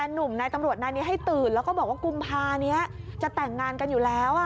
หนุ่มนายตำรวจนายนี้ให้ตื่นแล้วก็บอกว่ากุมภานี้จะแต่งงานกันอยู่แล้ว